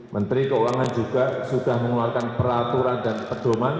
menteri keuangan juga sudah mengeluarkan peraturan dan pedoman